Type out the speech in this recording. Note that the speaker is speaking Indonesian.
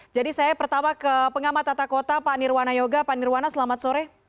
jadi saya pertama ke pengamat tata kota pak nirwana yoga pak nirwana selamat sore